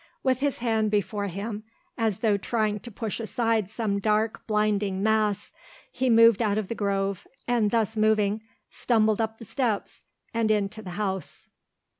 With his hand before him, as though trying to push aside some dark blinding mass, he moved out of the grove and thus moving stumbled up the steps and into the house.